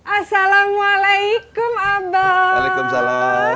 assalamualaikum abang salam salam